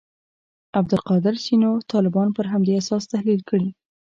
عبدالقادر سینو طالبان پر همدې اساس تحلیل کړي.